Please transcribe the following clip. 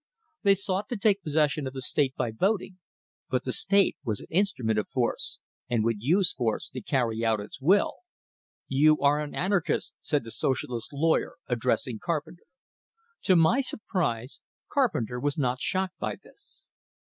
They sought to take possession of the state by voting; but the state was an instrument of force, and would use force to carry out its will. "You are an anarchist!" said the Socialist lawyer, addressing Carpenter. To my surprise Carpenter was not shocked by this.